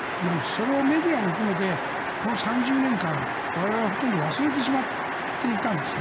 それをメディアも含めてこの３０年間、我々はほとんど忘れてしまっていたんです。